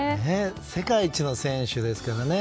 世界一の選手ですからね。